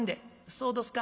「そうどすか。